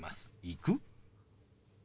「行く？」。